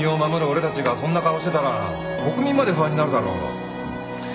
俺たちがそんな顔してたら国民まで不安になるだろ。